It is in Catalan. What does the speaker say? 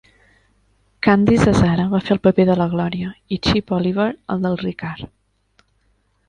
Candice Azzara va fer el paper de la Glòria i Chip Oliver el del Ricard.